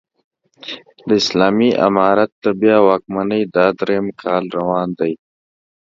د اسلامي امارت د بيا واکمنۍ دا درېيم کال روان دی